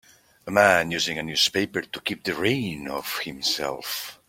A man using a newspaper to keep the rain off of himself.